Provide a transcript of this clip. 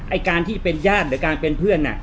ไอ้การที่เป็นญาติหรือการเป็นเพื่อน